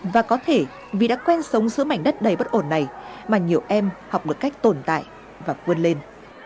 và có thể vì đã quen sống giữa mảnh đất đầy bất ổn này mà nhiều em học được cách tồn tại và quân lên